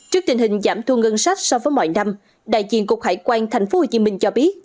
trước tình hình giảm thu ngân sách so với mọi năm đại diện cục hải quan thành phố hồ chí minh cho biết